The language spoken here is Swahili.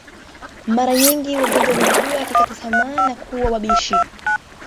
Mara nyingi wagonjwa wamekuwa wakikata tamaa na kuwa wabishi